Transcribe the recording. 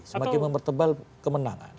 semakin memertebal kemenangan